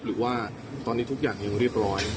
หรือว่าตอนนี้ทุกอย่างยังเรียบร้อย